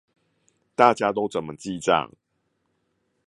大家都怎麼記帳